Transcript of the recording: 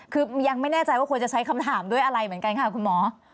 คือยังไม่แน่ใจว่าควรจะใช้คำถามด้วยอะไรเหมือนกันค่ะคุณหมอ